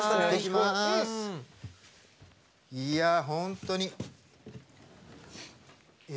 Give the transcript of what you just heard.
いや、本当に。